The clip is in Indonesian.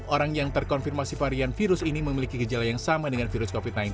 orang yang terkonfirmasi varian virus ini memiliki gejala yang sama dengan virus covid sembilan belas